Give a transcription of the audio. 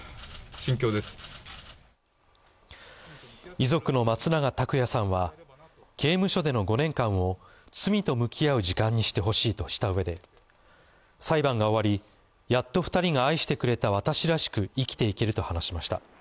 遺族の松永拓也さんは刑務所での５年間を罪と向き合う時間にしてほしいとしたうえで裁判が終わり、やっと２人が愛してくれた私らしく生きていけると話しました。